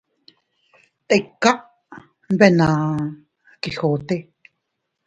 —Tikaree— nbefne Quijote—.